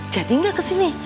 jadi gak kesini